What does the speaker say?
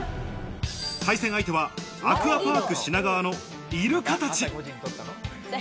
対戦相手はアクアパーク品川のイルカたち。